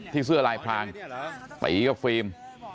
ที่เสื้อลายพลางตีกับฟีร์ม